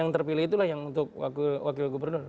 yang terpilih itulah yang untuk wakil gubernur